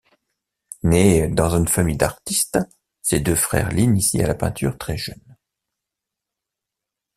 Née dans une famille d'artistes, ses deux frères l'initient à la peinture très jeune.